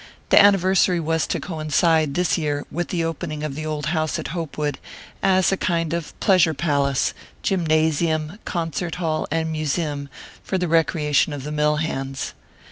The anniversary was to coincide, this year, with the opening of the old house at Hopewood, as a kind of pleasure palace gymnasium, concert hall and museum for the recreation of the mill hands.